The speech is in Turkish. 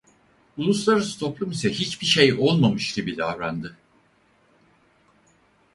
Uluslararası toplum ise hiçbir şey olmamış gibi davrandı.